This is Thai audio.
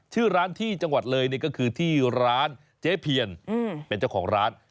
ชื่อร้านที่จังหวัดเลยนี่ก็คือที่ร้านเจ๊เพียนเป็นเจ้าของร้าน